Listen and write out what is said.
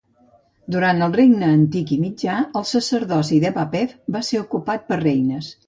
Durant el Regne Antic i Mitjà, el sacerdoci de Bapef va ser ocupat per reines.